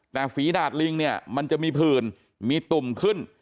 แต่ฝีดาดลิงเนี่ยมันจะมีผื่นมีตุ่มขึ้น